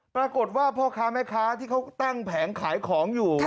ปรากฏว่าพ่อค้าแม่ค้าที่เขาตั้งแผงขายของอยู่